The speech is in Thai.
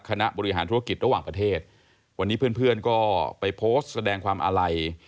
คณะบริหารธุรกิจระหว่างประเทศวันนี้เพื่อนเพื่อนก็ไปโพสต์แสดงความอาลัย